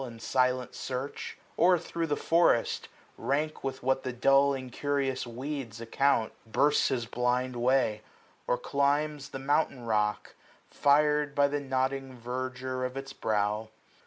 In silent search ; or thro* the forest, rank 225 With what the dull incurious weeds account. Bursts his blind way ; or climbs the mountain rock, FirM by the nodding verdure of its brow.